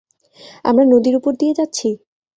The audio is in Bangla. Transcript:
আমরা নদীর উপর দিয়ে যাচ্ছি?